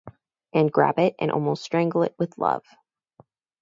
And grab it and almost strangle it with love.